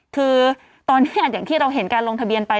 คือตอนนี้อย่างที่เราเห็นการลงทะเบียนไป